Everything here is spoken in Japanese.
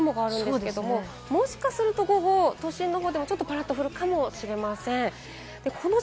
ちょっと厚めの雲があるんですけれども、もしかすると午後、都心の方でも、パラっと降るかもしれません。